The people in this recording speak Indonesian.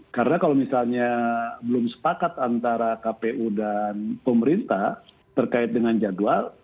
karena kalau misalnya belum sepakat antara kpu dan pemerintah terkait dengan jadwal